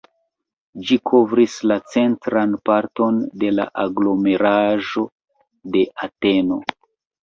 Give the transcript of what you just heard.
Ĝi kovris la centran parton de la aglomeraĵo de Ateno.